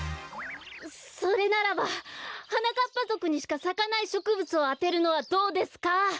それならばはなかっぱぞくにしかさかないしょくぶつをあてるのはどうですか？